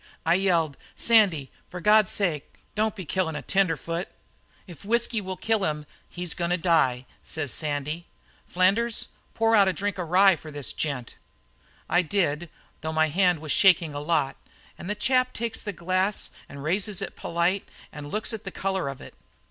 "I yelled: 'Sandy, for God's sake, don't be killin' a tenderfoot!' "'If whisky will kill him he's goin' to die,' says Sandy. 'Flanders, pour out a drink of rye for this gent.' "I did it, though my hand was shaking a lot, and the chap takes the glass and raises it polite, and looks at the colour of it.